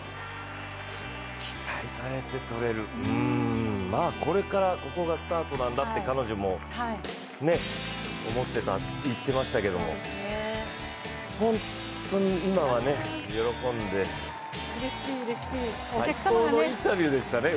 期待されて取れる、これからここがスタートなんだって彼女も言ってましたけど本当に今は喜んで、最高のインタビューでしたね。